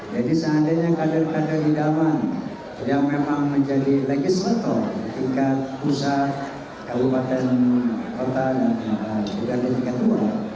jadi seandainya kader kader idaman yang memang menjadi legislator di tingkat pusat kabupaten kota dan juga di tingkat luar